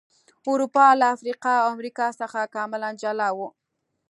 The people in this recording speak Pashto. اروپا له افریقا او امریکا څخه کاملا جلا و.